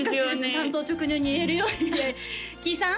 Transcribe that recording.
単刀直入に言えるようにキイさん？